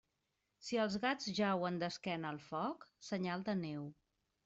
Si els gats jauen d'esquena al foc, senyal de neu.